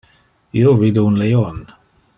Io vide un leon.